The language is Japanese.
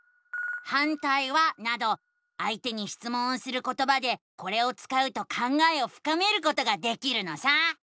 「反対は？」などあいてにしつもんをすることばでこれを使うと考えをふかめることができるのさ！